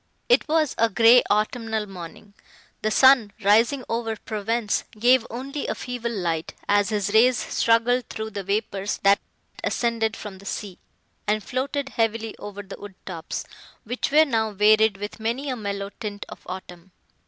It was a grey autumnal morning. The sun, rising over Provence, gave only a feeble light, as his rays struggled through the vapours that ascended from the sea, and floated heavily over the wood tops, which were now varied with many a mellow tint of autumn.